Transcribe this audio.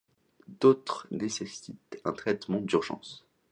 D’autres nécessitent un traitement d’urgence.